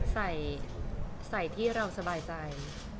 ใส่ใส่ที่เราสบายใจ